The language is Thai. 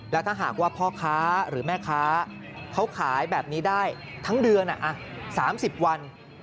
แล้วถ้าหากว่าพ่อค้าหรือแม่ค้าเขาขายแบบนี้ได้ทั้งเดือน๓๐วัน